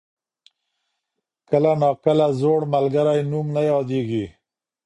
کله ناکله زوړ ملګری نوم نه یادېږي.